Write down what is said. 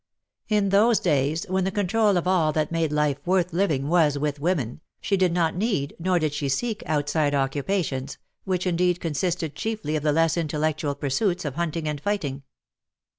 In those days, when the control of all that made life worth living was with woman, she did not need, nor did she seek, outside occupations, which Indeed consisted chiefly of the less intellectual pursuits of hunting and fighting.